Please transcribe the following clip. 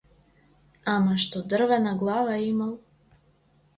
Ама што дрвена глава имал.